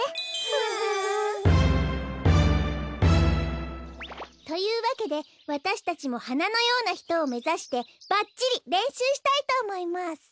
フフフン！というわけでわたしたちもはなのようなひとをめざしてばっちりれんしゅうしたいとおもいます。